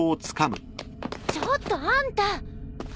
ちょっとあんた！